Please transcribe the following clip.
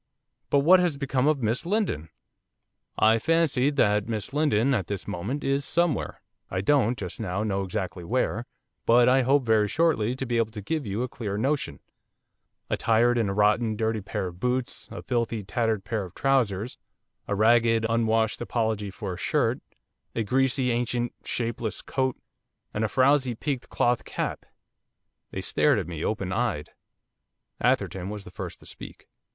'But what has become of Miss Lindon?' 'I fancy that Miss Lindon, at this moment, is somewhere; I don't, just now, know exactly where, but I hope very shortly to be able to give you a clearer notion, attired in a rotten, dirty pair of boots; a filthy, tattered pair of trousers; a ragged, unwashed apology for a shirt; a greasy, ancient, shapeless coat; and a frowsy peaked cloth cap.' They stared at me, opened eyed. Atherton was the first to speak.